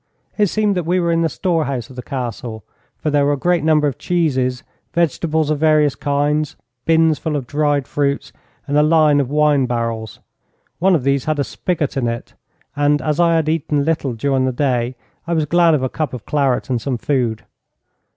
It seemed that we were in the storehouse of the Castle, for there were a great number of cheeses, vegetables of various kinds, bins full of dried fruits, and a line of wine barrels. One of these had a spigot in it, and as I had eaten little during the day, I was glad of a cup of claret and some food.